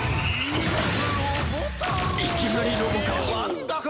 いきなりロボか。